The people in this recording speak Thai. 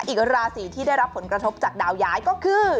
อีกราศีที่ได้รับผลกระทบจากดาวย้ายก็คือ